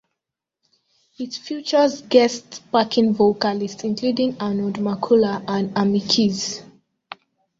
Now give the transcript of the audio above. It features guest backing vocalists, including Arnold McCuller, and Amy Keys.